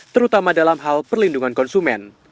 terutama dalam hal perlindungan konsumen